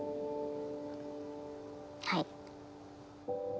はい。